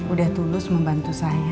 udah tulus membantu saya